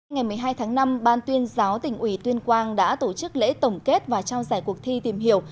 ngày một mươi hai tháng năm ban tuyên giáo tỉnh ủy tuyên quang đã tổ chức lễ tổng kết và trao giải cuộc thi tìm hiểu